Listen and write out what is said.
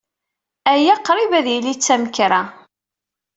Aya qrib ad yili d tamkerra.